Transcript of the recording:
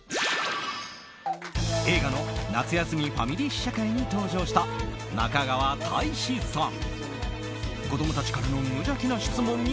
映画の夏休みファミリー試写会に登場した中川大志さん。